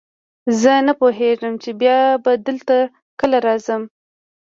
زه نه پوهېږم چې بیا به دلته کله راځم.